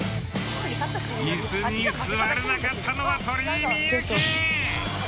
椅子に座れなかったのは鳥居みゆき。